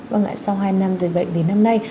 vâng ạ sau hai năm dây bệnh đến năm nay